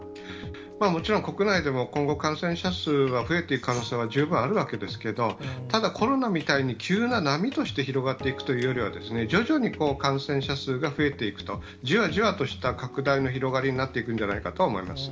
もちろん、国内でも今後感染者数が増えていく可能性は十分あるわけですけど、ただコロナみたいに急な波として広がっていくというよりは、徐々に感染者数が増えていくと、じわじわとした拡大の広がりになっていくんじゃないかと思います。